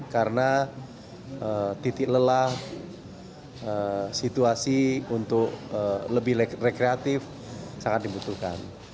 karena titik lelah situasi untuk lebih rekreatif sangat dibutuhkan